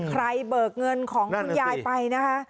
เบิกเงินของคุณยายไปนะคะ